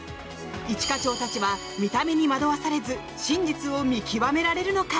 一課長たちは見た目に惑わされず真実を見極められるのか？